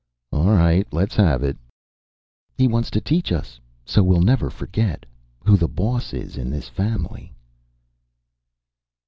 "All right, let's have it." "He wants to teach us so we'll never forget who the boss is in this family."